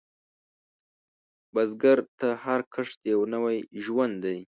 بزګر ته هر کښت یو نوی ژوند دی